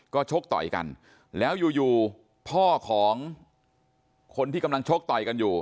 ก็ชกต่อยกันแล้วอยู่อยู่พ่อของคนที่กำลังชกต่อยกันอยู่